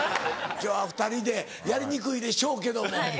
今日は２人でやりにくいでしょうけども。